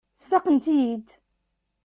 Sfaqent-iyi-id.